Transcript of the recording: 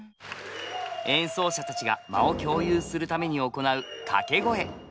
演奏者たちが間を共有するために行う掛け声。